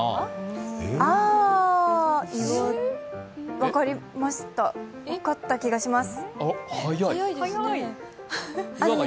分かりました分かった気がします。